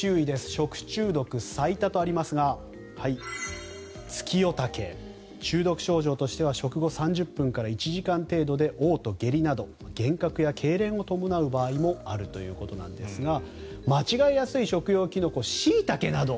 食中毒最多とありますがツキヨタケ、中毒症状としては食後３０分から１時間程度でおう吐、下痢など幻覚やけいれんを伴う場合もあるということですが間違えやすい食用キノコシイタケなど。